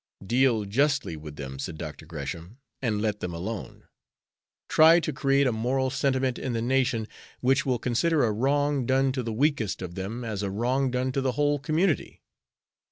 "Deal justly with them," said Dr. Gresham, "and let them alone. Try to create a moral sentiment in the nation, which will consider a wrong done to the weakest of them as a wrong done to the whole community.